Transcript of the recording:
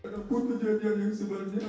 walaupun kejadian yang sebenarnya adalah